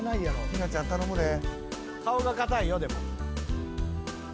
ひなちゃん頼むで。